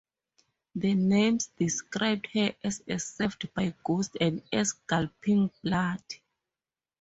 The names describe her as served by ghosts and as gulping blood.